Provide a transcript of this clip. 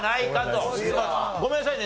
ごめんなさいね。